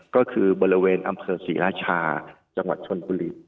ก็คือบริเวณอำเภอศรีราชาจังหวัดชนบุรี